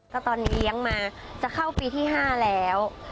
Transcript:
ก็ตอนนี้เลี้ยงมาจะเข้าปีที่๕แล้ว